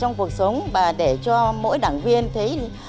trong cuộc sống và để cho mỗi đảng viên thấy